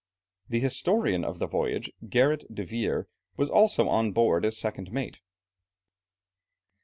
The historian of the voyage, Gerrit de Veer, was also on board as second mate.